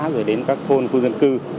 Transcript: rồi đến các thôn khu dân cư